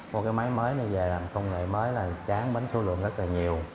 một cái máy mới này về làm công nghệ mới là tráng bánh số lượng rất là nhiều